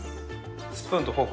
スプーンとフォーク